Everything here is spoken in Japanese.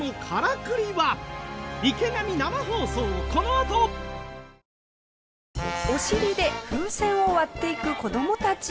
あお尻で風船を割っていく子どもたち。